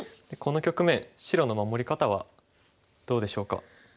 この局面白の守り方はどうでしょうか？